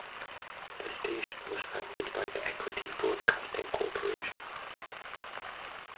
The station was founded by the Equity Broadcasting Corporation.